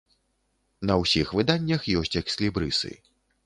На ўсіх выданнях ёсць экслібрысы.